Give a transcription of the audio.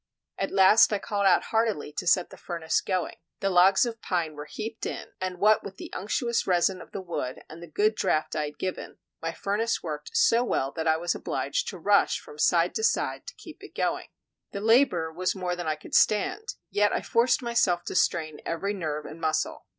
At last I called out heartily to set the furnace going. The logs of pine were heaped in, and what with the unctuous resin of the wood and the good draught I had given, my furnace worked so well that I was obliged to rush from side to side to keep it going. The labor was more than I could stand; yet I forced myself to strain every nerve and muscle.